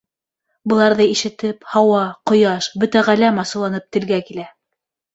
Быларҙы ишетеп Һауа, Ҡояш, бөтә Ғаләм асыуланып телгә килә.